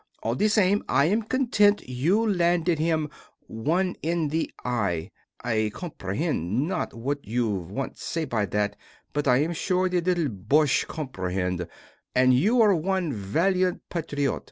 All the same I am content you landed him one in the eye (I comprehend not what you want say by that, but I am sure the little boche comprehend) and you are one valiant patriot.